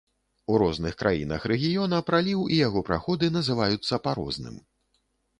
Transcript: У розных краінах рэгіёна, праліў і яго праходы называюцца па розным.